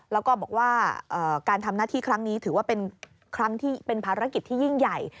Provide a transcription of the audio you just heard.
แล้วก็บอกว่าการทำหน้าที่ครั้งนี้ถือว่าเป็นครั้งที่เป็นภารกิจที่ยิ่งใหญ่